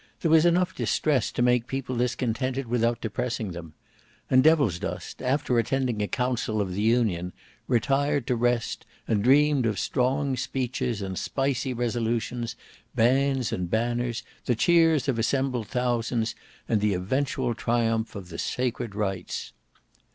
There was enough distress to make people discontented without depressing them. And Devilsdust after attending a council of the Union, retired to rest and dreamed of strong speeches and spicy resolutions, bands and banners, the cheers of assembled thousands, and the eventual triumph of the sacred rights.